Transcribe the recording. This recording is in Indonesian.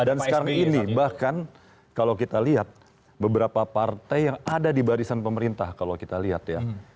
dan sekarang ini bahkan kalau kita lihat beberapa partai yang ada di barisan pemerintah kalau kita lihat ya